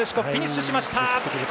フィニッシュしました。